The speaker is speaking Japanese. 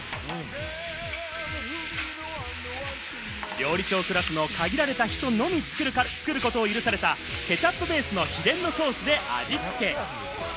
料理長クラスの限られた人のみ作ることを許されたケチャップベースの秘伝のソースで味付け。